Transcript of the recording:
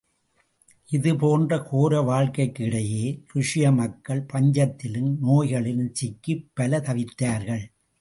இவை போன்ற கோர வாழ்க்கைக்கு இடையே, ருஷிய மக்கள் பஞ்சத்திலும் நோய்களிலும் சிக்கிப் பல தவித்தார்கள்.